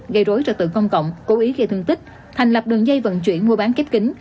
gây rối trật tự công cộng cố ý gây thương tích thành lập đường dây vận chuyển mua bán kép kính